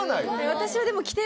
私は。